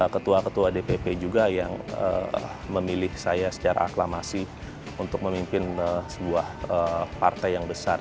ketua ketua dpp juga yang memilih saya secara aklamasi untuk memimpin sebuah partai yang besar